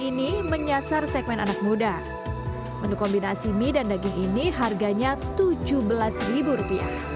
ini menyasar segmen anak muda menu kombinasi mie dan daging ini harganya tujuh belas rupiah